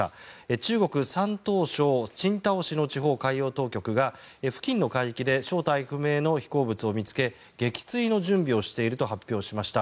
中国・山東省青島市の地方海洋当局が付近の海域で正体不明の飛行物を見つけ撃墜の準備をしていると発表しました。